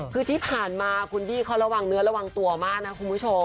คือที่ผ่านมาคุณพี่เขาระวังเนื้อระวังตัวมากนะคุณผู้ชม